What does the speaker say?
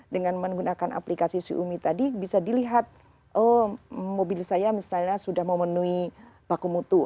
dengan menggunakan aplikasi siumi tadi bisa dilihat mobil saya misalnya sudah memenuhi baku mutu